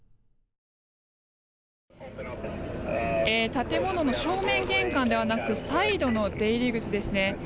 建物の正面玄関ではなくサイドの出入り口ですね。